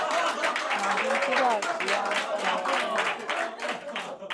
Na hin sigara jiya nam sohya.